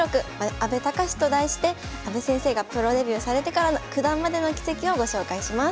阿部隆」と題して阿部先生がプロデビューされてから九段までの軌跡をご紹介します。